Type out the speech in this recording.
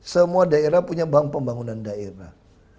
semua daerah punya bank pembangunan daerah